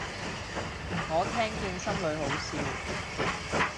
我聽見心裏好笑